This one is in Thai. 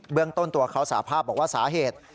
เรื่องต้นตัวเขาสาภาพบอกว่าสาเหตุ